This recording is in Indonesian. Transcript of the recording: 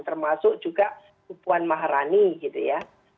termasuk juga puan maharani gitu ya